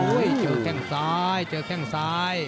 โอ้วจังแค่งซ้ายจังแค่งซ้าย